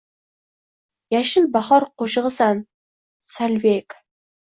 Yashil bahor qo’shig’isan, Solveyg!